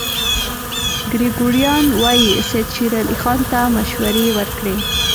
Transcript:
ګریګوریان وايي سید شېر علي خان ته مشورې ورکړې.